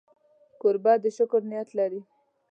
کوربه د شکر نیت لري.